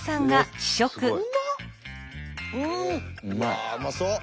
ああうまそう。